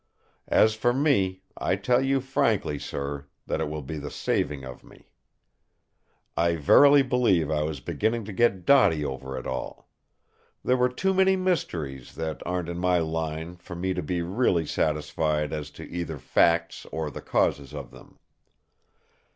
As for me, I tell you frankly, sir, that it will be the saving of me. I verily believe I was beginning to get dotty over it all. There were too many mysteries, that aren't in my line, for me to be really satisfied as to either facts or the causes of them.